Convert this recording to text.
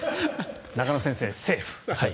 中野先生、セーフ。